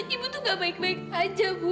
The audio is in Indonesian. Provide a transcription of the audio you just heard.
ibu tuh gak baik baik aja bu